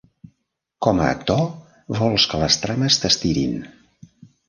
Com a actor, vols que les trames t'estirin.